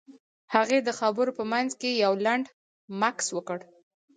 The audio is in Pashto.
هغې د خبرو په منځ کې يو لنډ مکث وکړ.